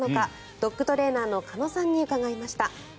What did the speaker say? ドッグトレーナーの鹿野さんに伺いました。